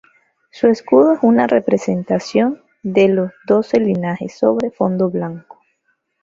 Su escudo es una representación de "Los Doce Linajes" sobre fondo blanco.